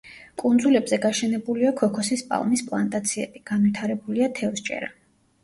კუნძულებზე გაშენებულია ქოქოსის პალმის პლანტაციები, განვითარებულია თევზჭერა.